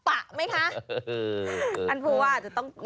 ค่ะในจังหวัดจะต้อง